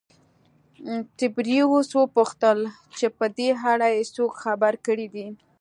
تبریوس وپوښتل چې په دې اړه یې څوک خبر کړي دي